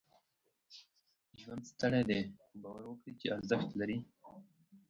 ژوند ستړی دی، خو؛ باور وکړئ چې ارزښت لري.